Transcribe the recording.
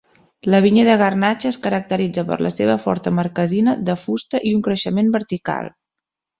La vinya de garnatxa es caracteritza per la seva forta marquesina de fusta i un creixement vertical.